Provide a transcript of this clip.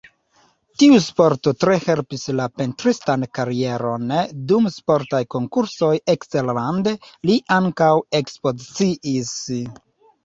Tiu sporto tre helpis la pentristan karieron, dum sportaj konkursoj eksterlande li ankaŭ ekspoziciis.